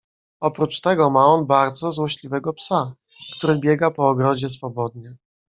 "Oprócz tego ma on bardzo złośliwego psa, który biega po ogrodzie swobodnie."